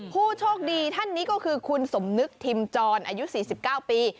ผู้โชคดีท่านนี้ก็คือคุณสมนึกทิมจรอายุ๔๙ปี